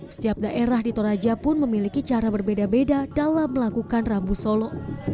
setiap daerah di toraja pun memiliki cara berbeda beda dalam melakukan rambu solo